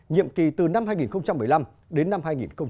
nhiệm kỳ từ năm hai nghìn một mươi năm đến năm hai nghìn hai mươi